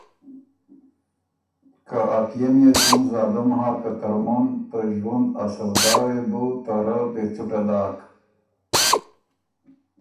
که ا پئے م يې څُون ظالُم هۀ که ترمُن ته ݫوُند ا سودا وې بو ته رۀ بې څُټه داک۔